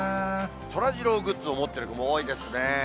そらジローグッズを持ってる子も多いですね。